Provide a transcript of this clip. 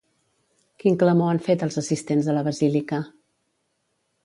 Quin clamor han fet els assistents a la basílica?